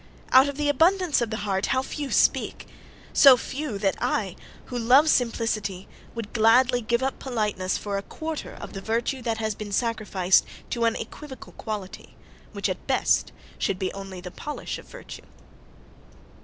Out of the abundance of the heart how few speak! So few, that I, who love simplicity, would gladly give up politeness for a quarter of the virtue that has been sacrificed to an equivocal quality, which, at best, should only be the polish of virtue.